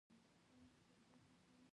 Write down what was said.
او مېرمايي يې د درخانۍ